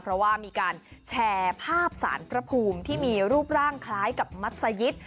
เพราะว่ามีการแชร์ภาพสารพระภูมิที่มีรูปร่างคล้ายกับมัศยิต